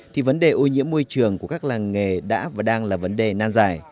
thì vấn đề ô nhiễm môi trường của các làng nghề đã và đang là vấn đề nan dài